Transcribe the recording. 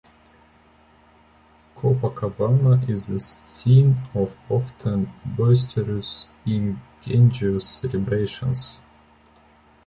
Copacabana is the scene of often boisterous indigenous celebrations.